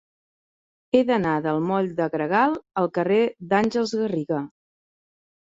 He d'anar del moll de Gregal al carrer d'Àngels Garriga.